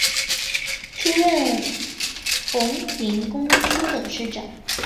出任鸿霖公司董事长。